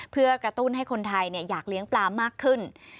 เพื่อกระตุ้นให้คนไทยอยากเลี้ยงปลามากขึ้น